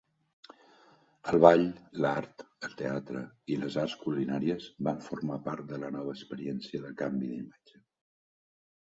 El ball, l'art, el teatre i les arts culinàries van formar part de la nova experiència de canvi d'imatge.